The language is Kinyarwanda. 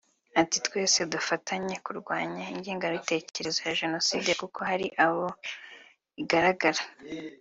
Ati “Twese dufatanye kurwanya ingengabitekerezo ya Jenoside kuko hari aho ikigaragara